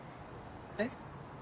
えっ？